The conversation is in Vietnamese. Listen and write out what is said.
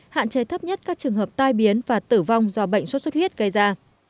hạn chế thấp nhất các trường hợp tai biến và tử vong do bệnh xuất xuất huyết gây ra